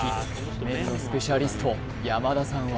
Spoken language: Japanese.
麺のスペシャリスト山田さんは